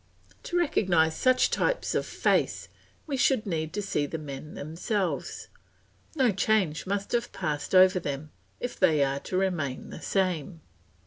To recognise such types of face we should need to see the men themselves; no change must have passed over them, if they are to remain the same.